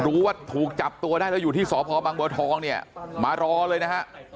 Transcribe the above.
รู้ว่าถูกจับตัวได้แล้วอยู่ที่สพบังบัวทองเนี่ยมารอเลยนะฮะ